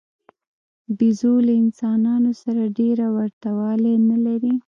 بیزو له انسانانو سره ډېره ورته والی نه لري.